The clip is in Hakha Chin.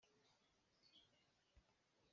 Nan biatlang ṭialmi a ṭha tuk.